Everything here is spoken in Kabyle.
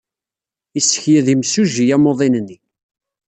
Yessekyed yimsujji amuḍin-nni.